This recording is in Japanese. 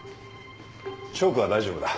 チョークは大丈夫だ。